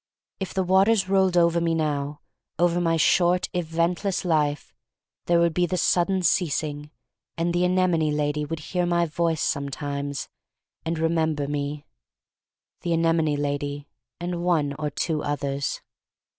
If the waters rolled over me now — over my short, eventless life — there would be the sudden ceasing, — and the anem one lady would hear my voice some times, and remember me — the anemone lady and one or two others.